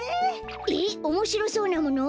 えっおもしろそうなもの？